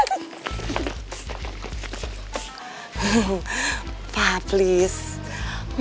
dari hati yang paling dalam